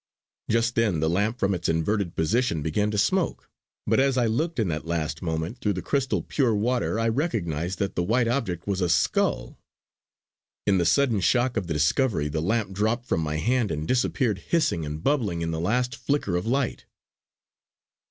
Just then the lamp from its inverted position began to smoke, but as I looked in that last moment through the crystal pure water I recognised that the white object was a skull. In the sudden shock of the discovery, the lamp dropped from my hand and disappeared hissing and bubbling in the last flicker of light."